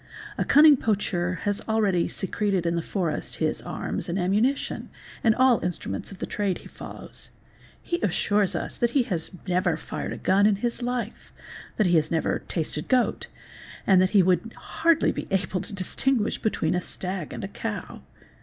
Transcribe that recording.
A cunning poacher has already secreted in the forest his arms and ammunition and all instruments of the trade he follows. He assures us that he has never fired a gun in his life, that he has never tasted goat, and that he would hardly be able to distinguish between a stag and a cow.